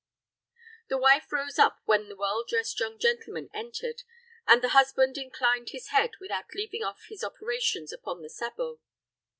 The wife rose up when the well dressed young gentleman entered, and the husband inclined his head without leaving off his operations upon the sabot.